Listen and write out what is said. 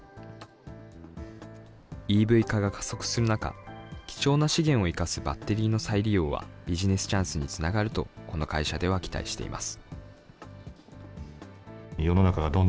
ＥＶ化が加速する中、貴重な資源を生かすバッテリーの再利用は、ビジネスチャンスにつながると、この会社では期待しています。